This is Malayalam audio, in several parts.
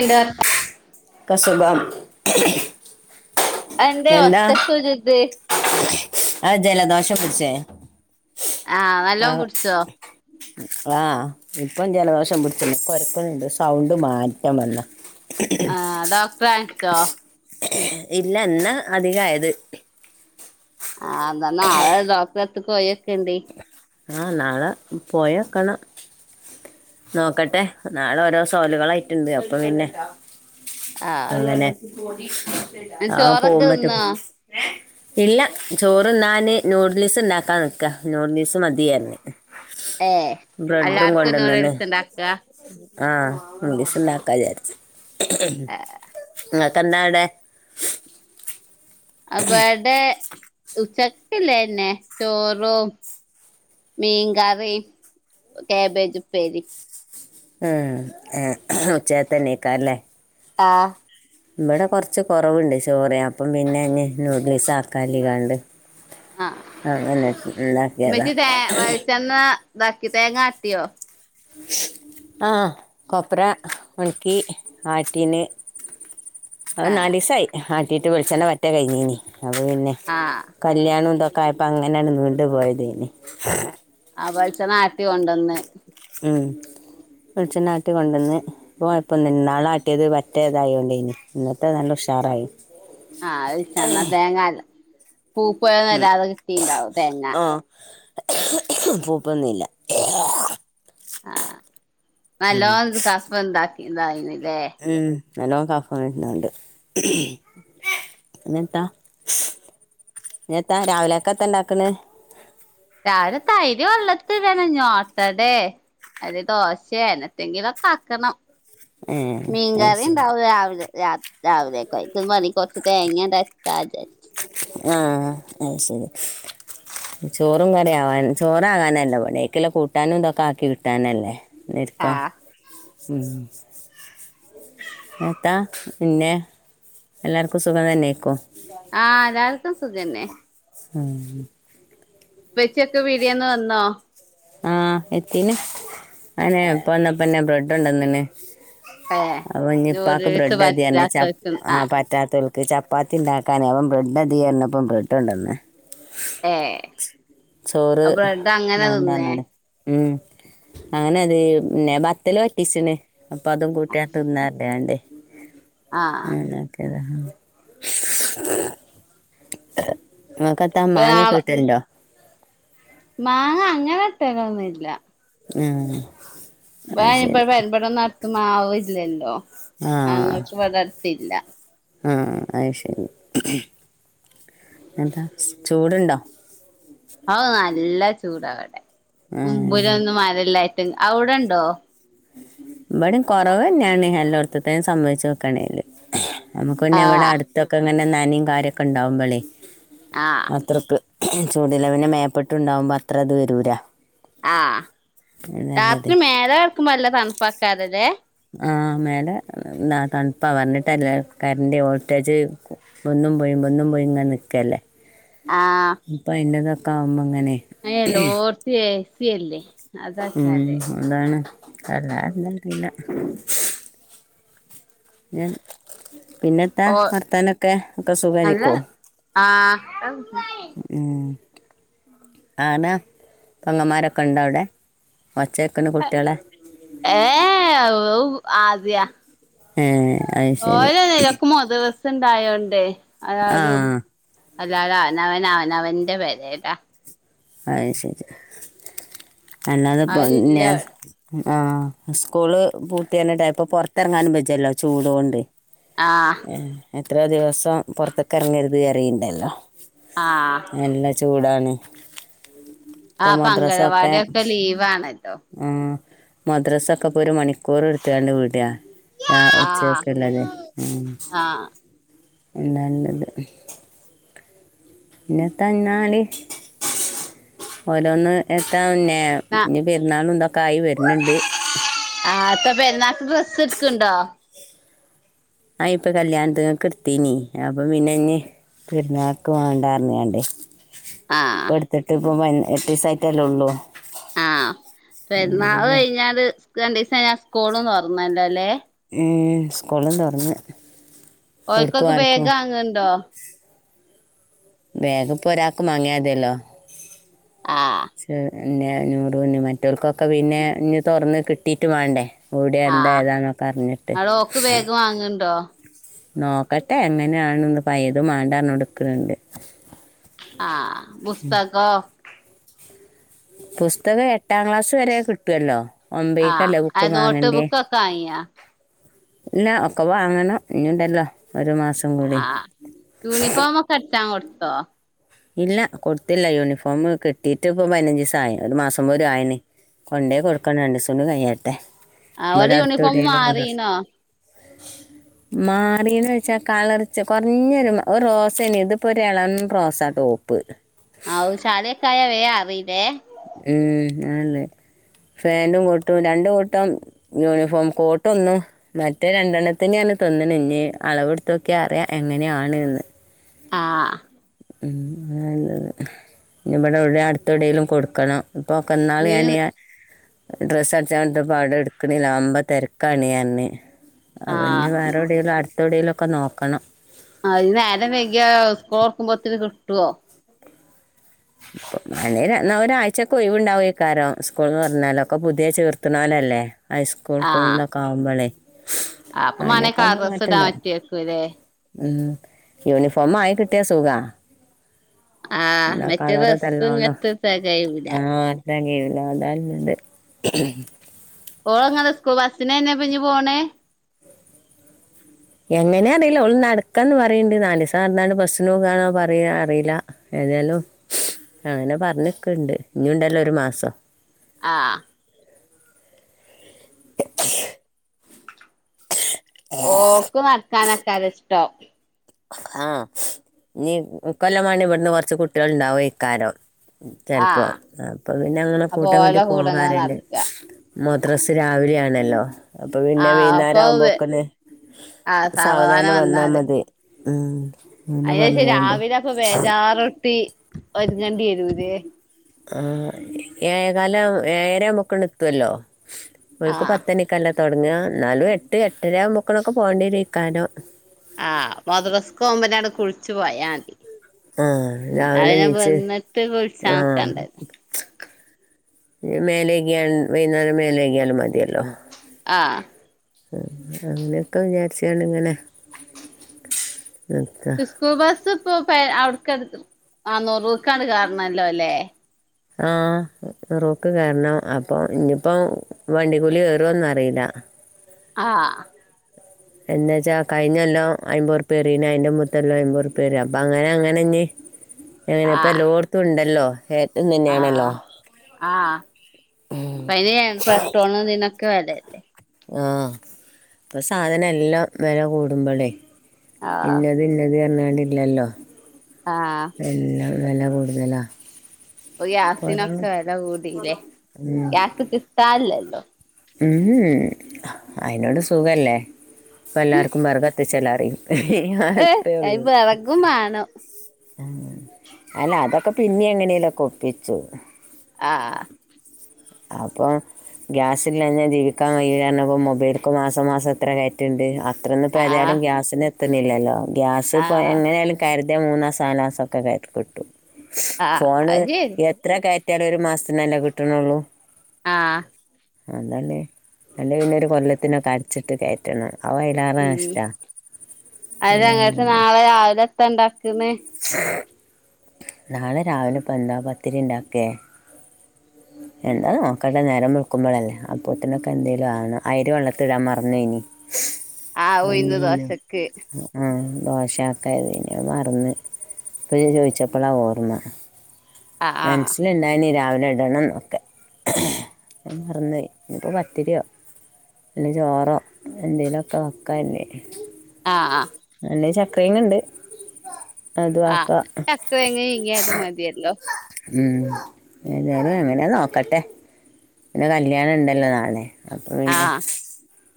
എന്താ കസബാ എന്തെ ഒച്ചക്ക് ഒര് ഇത് അത് ജല ദോഷ പിടിച്ചേ നല്ലോം ആഹ് പിടിച്ചോ ആഹ് ഇപ്പം ജലദോഷം പിടിച്ച്ണ് കൊരക്കുന്നുണ്ട് സൗണ്ട് മാറ്റം വന്ന് ആഹ് ഡോക്ടറെ കാണിച്ചൊ ഇല്ല ഇന്നാ അധികയത് ആഹ് ഇന്ന നാളെ ഡോക്ടറെ അടുത്ത് പോയിക്കെണ്ടി ആഹ് നാളെ പോയൊക്കണം നോക്കട്ടെ നാളെ ഓരോ സോഹലുകളായിട്ടുണ്ട് അപ്പൊ പിന്നെ ആഹ് അങ്ങനെ ഇന്ന് നാളെ ചോറൊക്കെ പൊകുമ്പാട്ടേ തിന്നോ ഇല്ല ചോറുണ്ണാണ് നൂഡിൽസ് ഇ ണ്ടാക്കാൻ ന്ന്ക്കാ നൂഡിൽസ് മ തി പറഞ്ഞ് ഏ എല്ലാർക്കും നൂഡിൽസ് ഇണ്ടാക്ക ആഹ് നൂഡിൽസ് ഇണ്ടാക്കാ വിചാരിച്ച് ഇങ്ങൾക്ക് എത്നാവിടെ ഇബടെ ഉച്ചക്കല്ലന്നെ ചോറും മീൻ കറിം കേബേജ് ഉപേരിം ഉം ഏഹ് ഉച്ചതെന്നെക്കാരംല്ലേ ആഹ് ഇവിടെ കുറച്ച് കുറവുണ്ട് ചോറ് അപ്പം പിന്നെ ഇഞ് നൂഡിൽസ് ആക്കാലികാണ്ട് ആഹ് അതെനെ ഉണ്ടാക്കിയതാ പിന്നെ ഇതാക്കി തേങ്ങാട്ടിയോ ഉ ആ കൊപ്ര ഉണക്കി ആട്ടീന് അത് ആഹ് നാല്സ ആയി ആട്ടീട്ട് വെളിചെണ്ണ പറ്റെ കഴിഞ്ഞീനി അത് പിന്നെ ആഹ് കല്യാണം ഇതെക്കെ ആയപ്പോ അങ്ങനെയാണ്ട് നീണ്ടു പോയതേയ്നി ആ വെൾച്ചെണ്ണ ആട്ടി കൊണ്ടന്ന് ഉം വെളിച്ചെണ്ണാട്ടികൊണ്ടന്ന് ഇപ്പോ കെയപ്പെനുല്ല ഇന്നാളാട്ടിയത് പറ്റേ ഇതായോണ്ടേയ്നി ഇന്നത്തെ നല്ല ഉഷാറായി ആഹ് ച്ചന്നാ തേങ്ങല്ല പൂപ്പെന്നും വരാതെ കിട്ടീണ്ടാവും തേങ്ങ പൂപ്പൊന്നില്ല ആഹ് നല്ലോം കഫം എന്താക്കി ഇതായിനല്ലേ ഉം നല്ലോം കഫം വരുന്നൂണ്ട് ഇ ഞെത്താ ഇഞെത്താ രാവിലെക്കെ എത്ത ഇണ്ടാക്കണ് രാവില അയ്രി വെള്ളത്തിടണം ഇഞോട്ടടേ അല്ലെങ്കി ദോശയാ അങ്ങനെത്തെങ്കിലൊക്കെ ആക്കണം ഏഹ് മീൻ അത് ശരി കറിയിണ്ടാവും രാവിലെ രാത് രാവിലെക്കായിരിക്കും മാണെ കൊറച് തേങ്ങ അങ്ങട് അരച്ചാ വിചാരിച് ആഹ് അയ് ശരി ചോറും കറി ആവാൻ ചോറാകാനല്ല പണി അയ്ക്കില്ലേ കൂട്ടാനും ഇതൊക്കെ ആക്കി കിട്ടാനല്ലേ ന്നെര്ക്കൊ ആഹ് ഉം എത്താ പിന്നെ എല്ലാർക്കും സുഖം തന്നെയ്ക്കും ആഹ് എല്ലാവർക്കും സുഖന്നെ ഉമ്മ് ഇപ്പെച്ചി യൊക്കെ പീടിയെന്ന് വന്നോ? ആഹ് എത്തിന് ആയനെ ഇപ്പ വന്നപ്പന്നെ ബ്രെഡു കെണ്ടന്നിണ് ഏഹ് അപ്പം ഇഞ് ഇപ്പാക്ക് നൂഡിൽസ് ബ്രെഡ് മതിന് പറഞ് പറ്റാത്തോൽക്ക് ആ ആഹ് പറ്റാത്തോ ചപ്പാത്തി ഉണ്ടാക്കാനെ അപ്പം ബ്രഡ് മതി പറഞപ്പം ബ്രെഡ് കൊണ്ടന്ന് ഏഹ് ചോറ് ബ്രെഡ് അങ്ങനെ വാണ്ടാന്ന് തിന്നേ പറഞ്ണ് ഉം അങ്ങനെ അത് പിന്നെ ബത്തല് വറ്റീച്ച്ണ് അപ്പൊ അതും കൂട്ട്യാതിന്നാ പറഞ് കാണ്ട് ആഹ് ആ ഇങ്ങക്കെത്താ ഇപ്പ മാങ്ങൊക്ക നാളെ കിട്ടലണ്ടോ? മാങ്ങ അങ്ങനെ കിട്ടലൊന്നുല്ല ആഹ് [unintelligible] അടുത്ത് മാവില്ലല്ലോ മാങ്ങ മൂച്ചി ഇവിടെ അടുത്തില്ല ആഹ് അയ് ശരി ന്നെന്താ ചൂട് ണ്ടോ ഓ നല്ല ചൂട വിടെ ഉം മുമ്പുരൊന്നും മരല്ലായിട്ട് അവിടിണ്ടോ? ഇവിടേം കുറവന്നെയാണ് എല്ലോടത്തതേം സംമ്മന്തിച്ചു നോക്ആണേല് നമുക്ക് പിന്നെ ഇവടെ ആഹ് അടുത്തൊക്കെങ്ങനെ നനിം കാര്യൊക്കെ ഇണ്ടാവുമ്പളെ ആഹ് അത്രക്ക് ചൂടില്ല പിന്നെ മേപ്പെട്ടുണ്ടാവുമ്പൊ അത്ര ഇത് വെരൂല ആഹ് രാത്രി നല്ലത് മേലെ കെട്ക്കുമ്പോ നല്ല തണുപ്പാക്കാരല്ലേ ആഹ് മേലെ തണുപ്പാ പർഞ്ഞ്ട്ടാര്യല്ല കര്ണ്ട് ഓൾട്ടേജ് ബന്നും പോയും ബന്നും പോയി ഇങ്ങന നി ക്കല്ലേ അപ്പ അയ്ന്റതൊക്ക ആവുമ്പോ ങ്ങനെ അയ്‌ന് എല്ലോട്ത്തു എ സി അല്ലെ ഉം അതാണ് വല്ലാതെ [unintelligible] ഞാൻ പിന്നെ ത്താ ഓ വർത്താനൊക്കെ ഒക്കെ നല്ല സുഖാരിക്കോ ആഹ് ഉം ആന പെങ്ങമ്മാരൊക്കെ ഇണ്ടോ അവ്ടെ ഒച്ചേ ക്ക്ണ് കുട്ട്യളെ ഏ ഏ ഔ ആദ്യാ ഏ അത് ശരി ഓലെയ്ന് എല്ലാർക്കും മദ്റസ്സ് സ്സ്ണ്ടായോണ്ടേ ആ എല്ലാരും എല്ലാര് അവനവൻ അവനവന്റെ പെരേലാ അഹ് ശരി അല്ലാതെപ്പ [unintelligible] ആരുല്ല ന്നെ അവിടെ ആഹ് സ്കൂള് പൂട്ടിയർഞ്ഞ്ട്ട് എഹ് പ്പൊ പൊർത്തെറങ്ങാനും ബെജ്ജല്ലോ ചൂടോണ്ട് ആഹ് ഏ എത്രയോ ദിവസം പൊർത്ത്ക്കെറങ്ങര്ത്അറിണ്ടല്ലോ ആഹ് നല്ല ചൂടാണ് ഇപ്പൊ ആഹ് പ്പ അംഗലവാടി ഒക്കെ ലീവ് ആണല്ലോ ആഹ് മദ്രസൊക്കെ ഇപ്പൊ ഒരു മണിക്കൂർ ഇട്ത്ത്കാണ്ട് വിടാ രാ ആഹ് ഉച്ചെകക്ള്ളത് ഉം ആഹ് പിന്നല്ലത് ഇന്നെ തന്നാളി ഓരോന്ന് എത്താ പിന്നെ ഇഞ് പെരുന്നാളും ഇതൊക്കായി വെര്ന്ണ്ട് ആഹ് അപ്പ പെരുന്നാക്ക് ഡ്രസ്സ് ഇട്ക്ക് ണ്ടോ ആയി പ്പ കല്യാണത്ത്ങ്ങക്ക് ഇട്ത്തീനി അപ്പൊ പിന്നെഞ് പെര്ന്നാക്ക് വണ്ടാർഞ്ഞ്ആണ്ടേ ആഹ് അഹ് ഇട്ത്ത്ട്ട് പ്പൊ പൻ എട്ടീസയ്റ്റല്ലേ ഒള്ളൂ ആഹ് പെരുന്നാള് കഴിഞ്ഞാല് സ്ക് രാണ്ടീസയ്ഞ്ഞാ സ്കൂളും തൊർന്നല്ലോല്ലേ ഏഹ് സ്കൂളും തൊർന്ന് എട്ക്കും ഓൽക്കൊക്കെ ബേഗ് ആർക്കും വാങ്ങ്ണ്ടോ ബേഗ് പ്പൊ ഒരാക്ക് മങ്ങിയാതിയല്ലോ ആഹ് ചെ എ ന്നെ നൂറ്ന്ന് മറ്റോൽക്കൊക്കെ പിന്നെ ഇഞ് തൊർന്ന് കിട്ടിറ്റ് വാണ്ടേ ഓവ്ടെ എന്താ ആഹ് ഏതാ ന്നൊക്കെ അർഞ്ഞിട്ട് ഇങ്ങള് ഓക്ക് ബേഗ് വാങ്ങ്ണ്ടോ നോക്കട്ടെ എങ്ങനെയാണ്ന്ന് പഴേത് മാണ്ടാർഞ്ഞോണ്ട്ക്ക്ണ് ണ്ട് ആഹ് പുസ്തകോ പുസ്തകം എട്ടാം ക്ലാസ്സ് വരെ കിട്ടൊല്ലോ ആഹ് ഒമ്പേയ്ക്കല്ലേ ബുക്ക് അത് നോട്ട് മാങ്ങണ്ട്യേ ബുക്കൊക്കെ വാങ്ങിയോ ഇല്ല ഒക്കെ വാങ്ങണം ഇഞ്ഞുണ്ടല്ലോ ഒരു മാസം കൂടി ആഹ് യൂണിഫോമൊക്കെ അട്ച്ചാൻ കൊട്ത്തോ ഇല്ല കൊട്ത്തില്ല യൂണിഫോമ് കിട്ടിട്ട് ഇപ്പൊ പയ്നഞ്ചിസായി ഒരു മാസം പോലും ആയിന് കൊണ്ടേയി കൊടുക്കണം രണ്ടീസൂടി കയ്യട്ടെ ആഹ് ഓലെ യൂണിഫോം മാറീണോ? മാറീന്ന് വെച്ചാ കളർച്ച് കൊർഞ്ഞൊരു മ ഒരു റോസേനി ഇതിപ്പൊരെളം റോസാ. ടോപ്പ്. ഔഹ് ചള്യൊക്കായാ വേ അറില്ലേ. ഏഹ് ആഹ് ല്ലേ. ഫേൻ്റും കോട്ടും രണ്ട് കൂട്ടം യൂണിഫോം കോട്ട് ഒന്നും മറ്റേ രണ്ടെണ്ണത്തിന് പർഞ്ഞ് തന്ന്ണ്. ഇഞ്ഞ് അളവ് ഇട്ത്തോക്ക്യാ അറിയാ എങ്ങന്യാണ്ന്ന്. ആഹ് ഉം അതാ ഇല്ലത്. ഇഞ്ഞ് ഇബടെ എവ്ടെം അടുത്തെവ്ടെലും കൊടുക്കണം. ഇപ്പോക്ക ഇന്നാൾ ഇയ്യ് ഞാന് ഡ്രസ്സ് അട്ച്ചാൻ കൊട്ത്തപ്പ വ്ടെ ഇട്ക്ക്ണില്ലാ വമ്പം തെരക്കാണിയർഞ്ഞ്. അവഞ് ആഹ് വേറെ എവ്ടേലും അട്ത്തെവ്ടേലും ഒക്കെ നോക്കണം. ആഹ് അഹ് ഞ് നേരം വെഗ്യാ സ്കൂളൊർക്കുമ്പോത്തിന് കിട്ടോ. പ്പം മാണേൽ ര ന്ന ഒരാഴ്ച ഒഴിവ്ണ്ടാവ്വേക്കാരം സ്കൂൾന്ന് പർഞ്ഞേലോ ഒക്കെ പുതിയ ചേർത്ത്ണോലല്ലേ. ഹൈസ്കൂൾക്കും ഇതൊക്കാവുമ്പളേ. ആ പ്പം മാണേ കളർ ഡ്രസ് ഇടാൻ പറ്റേക്കുലേ. ഉം യൂണിഫോം ആയി കിട്ടിയാ സുഖാ. ആഹ് ഇന്നാ മറ്റേ കളറ് ഡ്രസ്സ് തെല്ലോണം ഇങ്ങട്ട് തെകയൂല ആഹ്. തെകിയൂല്ല അതാല്ലണ്ട്. ഓളെങ്ങനെ സ്കൂ ബസ്സിനെന്നെ ഇപ്പഞ്ഞ് പോണേ? എങ്ങനെ അറീല്ല. ഓള് നട്ക്കംന്ന് പറിണ്ട് നാലീസ് നട്ന്നാണ്ട് ബസ്സിന് പോകാണോ പറയ അറീല്ല. ഏത്യാലും അങ്ങനെ പർഞ്ക്ക്ണ്ട്, ഇഞ്ഞൂണ്ടല്ലോ ഒരു മാസം. ആഹ് [inaudible] ഓക്ക് നടക്കാനേക്കര ഇഷ്ടം. ആഹ് ഇഞ്ഞ് ഇക്കൊല്ലം മാണേ ഇവട്ന്ന് കൊർച്ച് കുട്ട്യേൾ ഇണ്ടാവ്വേക്കാരം. ചെൽപ്പോം ആഹ് അപ്പൊ പിന്നെ അങ്ങനെ അപ്പൊ കൂട്ടം കെട്ടി ഓലെ കൂടെങ്ങനെ പോകാറിണ്ട്. നടക്കാ മദ്രസ് രാവിലേണല്ലോ. അപ്പൊ പിന്നെ ആഹ് അപ്പൊ വൈന്നാരാവുമ്പോക്കൊന്ന് സാവധാനം വന്നാ മതി. ഉം അങ്ങനെ അഹ് വിചാര്ച്ച് പറഞ്ഞുകാണ്ട് രാവിലെ അപ്പം ബേജാറൊട്ടി ഒര്ങ്ങണ്ടി വരൂല്ലേ. ആഹ് ഏതാലും ഏഴരാവുമ്പോക്കും ണ്ട് എത്തുവല്ലോ ഓൽക്ക് ആഹ് പത്തണി ക്കല്ലെ തൊട്ങ്ങാ. ഇന്നാലും എട്ട് എട്ടര ആകുമ്പോക്കണൊക്കെ പോകണ്ട്യേരേക്കാരം. ആഹ് മദ്രസ്കോവുമ്പന്നാണ് കുള്ച്ചു പോയ മതി. ആഹ് ന്നാ രാവിലെ പിന്നെ നീച്ച് വന്നിട്ട് കുളിച്ചാ ആഹ് നിക്കണ്ടല്ലോ ഇല്ലെ മേലക്യാൺ വൈന്നേരം മേലക്യാലും മതിയല്ലോ. ആഹ് ആഹ് അങ്ങന്യൊക്കെ വിചാരിച്ചാണ്ട്ങ്ങനെ നിക്കാ. സ്കൂ ബസ് ഇപ്പോ പെ അവ്ട്ക്കാണ്ട് ആഹ് നെറൂക്കാണ്ട് കേറ്ണല്ലോല്ലേ. ആഹ് നെറൂക്ക് കേറണം അപ്പം ഇനി പ്പം വണ്ടി കൂലി ഏറോന്നറീല്ല. ആഹ് എന്ന് വച്ചാ കഴിഞ്ഞൊല്ലോം അയ്മ്പതുർപ്യേ ഏറീണ് അയ്ന്റെ മുമ്പത്തൊല്ലും അയ്മ്പത് ഉർപ്യ ഏറി അപ്പ അങ്ങനെ അങ്ങനെഞ് ഏഹ് ഇപ്പ ആഹ് എല്ലോട്ത്തും ണ്ടല്ലോ ആഹ് ആഹ് പനി പട്ടോന്ന് നിന്നൊക്കെ ആഹ ഇപ്പൊ സാധനം എല്ലാം വില കൂടുമ്പോളേ ആഹ് പിന്നെ പിന്നെ അതില്ലത് പറഞ്ഞോണ്ടില്ലല്ലോ ആഹ് എല്ലാം വില കൂടുതലാണ് അപ്പോൾ ഓരോ ഗ്യാസിനൊക്കെ വല കൂടില്ലേ ഗ്യാസ് കിട്ടാനില്ലല്ലോ ഉം അയിനോട് സുഖല്ലേ അപ്പ എല്ലാവർക്കും വറകുത്തിച്ചില അറിയും ഏഹ് അത്രയ ഒള്ളു അയിന് വെറകും വേണം അല്ല അതൊക്കെ പിന്നെ എങ്ങനെലൊക്കെ ഒപ്പിച്ചു ആഹ് അപ്പൊ ഗ്യാസ് ഇല്ല ഞാൻ ജീവിക്കാൻ വയ്യാഞ്ഞപ്പം മൊബൈൽക്ക മാസം മാസം എത്ര ണ്ട് അത്രന്ന് ആഹ് ഇപ്പോതാലും ഗ്യാസിന് എത്തുന്നില്ലല്ലോ ഗ്യാസ് ഇപ്പോ ആഹ് എങ്ങനൊലും കരുതി മൂന്നാസാലാസ ഒക്കെ കത്ത് കൊട്ടു ആഹ് ഫോൺ അത് ശരി ഇത്ര കയറ്റിയാല ഒരു മാസത്തിനന്നല്ലേ കിട്ടുന്നുള്ളൂ ആഹ് അതല്ലേ അല്ല പിന്നെ ഒരു കൊല്ലത്തിനൊക്കെ അരച്ചിട്ട് കയറ്റണം അവ അതിലാറാണ് ഉം അങ്ങത്തെ ഇഷ്ടമാണ് നാളെ രാവിലെ എത്ത ഉണ്ടാക്കന്ന് നാളെ രാവിലെ ഇ പ എന്ത പത്തിരിണ്ടാക്കേ എന്താ മക്കളുടെ നേരം നോക്കുമ്പോളല്ലേ അപ്പത്തിനൊക്കെ എന്തേലും ആണ് ആയിര് വെള്ളത്തിടാൻ മറഞ്ഞ ഇനി ആഹ് അ ഉഴുന്ന് മീന ദോശക്ക് ആഹ ദോശയാക്കെ മറന്ന് ഇ ചോദിച്ചപ്പോളാ ഓർന്ന ആഹ് ആഹ് മനസ്സിലുണ്ടായിനീ രാവിലെ ഇടണോന് ഞാൻ മറന്നുപോയി ഇനി പത്തിരുയാ അല്ല ചോറോ എന്തേങ്കലുമൊക്കെ വയ്ക്കാന്നേ ആഹ് ആഹ് അല്ല ചക്രന ഇണ്ട് ആഹ് ചക്ക എങ്ങ ഇങ്ങ അത് മതിയല്ലോ ഉ ഏതായാലും എങ്ങനെ നോക്കട്ടെ പിന്നെ കല്യാണണം ഉണ്ടല്ലോ നാളെ അപ്പൊ പിന്നെ ആഹ്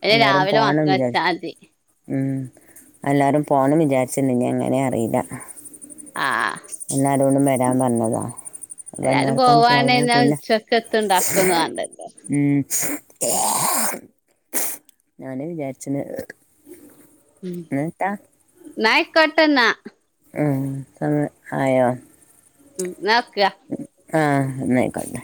പിന്നെ എല്ലാരും രാവിലെ മാത്രം പോണംല്ല വെച്ചാ മതി മ എല്ലാവരും പോണം വിചാരിച്ചരുന്നു ഇഞ അങ്ങനെ അറിയില്ല ആഹ് എന്നടോണ് വരാൻ പറഞ്ഞതാ എല്ലാരും വന്നർക്കാണ് പോവാണ് പോയ ന്നാ പിന്നെ ഉച്ചക്കത്തെ ഇണ്ടാക്കൊന്നും വാണ്ടല്ലോ ഉ ഞാന് വിചാരിച്ചന് ഉം നായക് കട്ടന്ന സ ആയോ ഉം നക്കിയ ആ എന്നായിക്കണ്ടെ